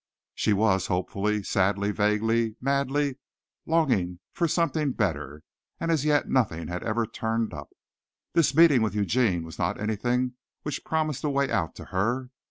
She was hopefully, sadly, vaguely, madly longing for something better, and as yet nothing had ever turned up. This meeting with Eugene was not anything which promised a way out to her.